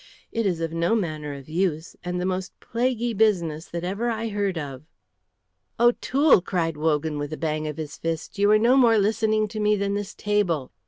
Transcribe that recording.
It is of no manner of use, and the most plaguy business that ever I heard of." "O'Toole," cried Wogan, with a bang of his fist, "you are no more listening to me than this table."